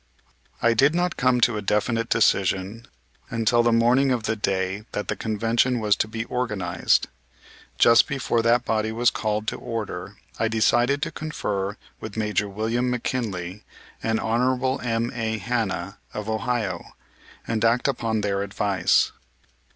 I did not come to a definite decision until the morning of the day that the Convention was to be organized. Just before that body was called to order I decided to confer with Maj. William McKinley and Hon. M.A. Hanna, of Ohio, and act upon their advice.